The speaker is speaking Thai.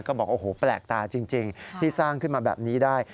ก็บอกโอ้โหแปลกตาจริงที่สร้างขึ้นมาแบบนี้ได้